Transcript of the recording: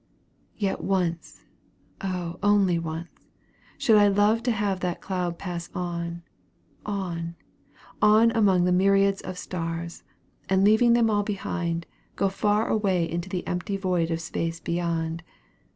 Yet once, O only once, should I love to have that cloud pass on on on among the myriads of stars; and leaving them all behind, go far away into the empty void of space beyond.